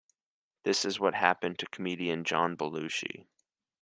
This is what happened to comedian John Belushi.